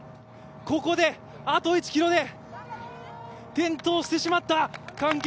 ここで、あと１ｋｍで転倒してしまった！